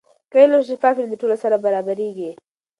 که علم شفاف وي، د ټولو سره برابریږي.